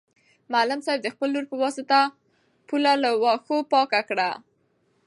معلم صاحب د خپل لور په واسطه پوله له واښو پاکه کړه.